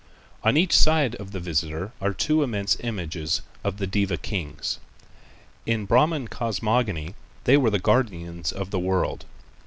On each side of the visitor are two immense images of the Deva kings. In Brahman cosmogony they were the guardians of the world.